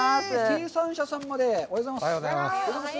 生産者さんまでおはようございます。